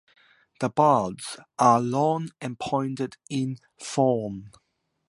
The buds are long and pointed in form.